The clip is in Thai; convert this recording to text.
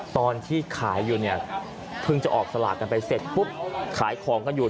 ตอนที่ขายอยู่เนี่ยเพิ่งจะออกสลากกันไปเสร็จปุ๊บขายของกันอยู่